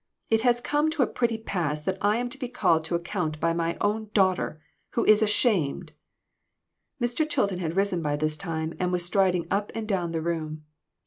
It has come to a pretty pass that I am to be called to account by my own daughter, who is ashamed!" Mr. Chilton had risen by this time and was strid ing up and down the room.